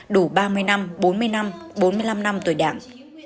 đủ ba mươi năm bốn mươi năm bốn mươi năm năm tuổi đảng